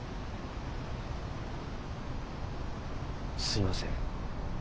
すみません。